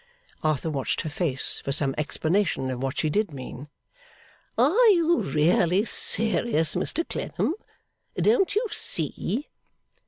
Arthur watched her face for some explanation of what she did mean. 'Are you really serious, Mr Clennam? Don't you see?